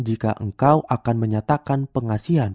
jika engkau akan menyatakan pengasihan